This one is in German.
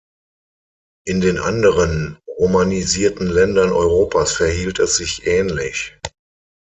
In den anderen romanisierten Ländern Europas verhielt es sich ähnlich.